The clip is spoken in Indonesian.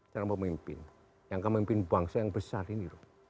calon pemimpin yang kemimpin bangsa yang besar ini loh